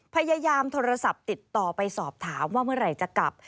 พยายามโทรศัพท์ติดต่อไปสอบถามว่าเมื่อไหร่จะกลับ